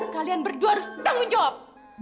kalian berdua harus bertanggung jawab